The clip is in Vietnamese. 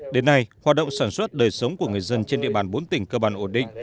đến nay hoạt động sản xuất đời sống của người dân trên địa bàn bốn tỉnh cơ bản ổn định